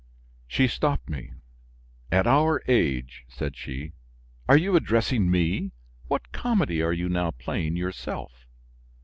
She stopped me. "At our age!" said she. "Are you addressing me? What comedy are you now playing yourself?"